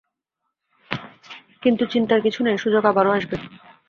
কিন্তু চিন্তার কিছু নেই, সুযোগ আরও আসবে।